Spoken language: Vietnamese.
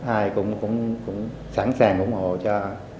ai cũng sẵn sàng ủng hộ cho